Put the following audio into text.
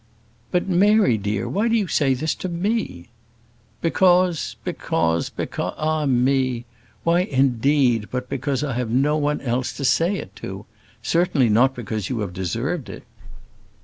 "But, Mary dear, why do you say this to me?" "Because because because ah me! Why, indeed, but because I have no one else to say it to. Certainly not because you have deserved it."